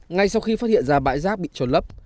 ngay sau khi phát hiện ra bãi rác bị trôn lấp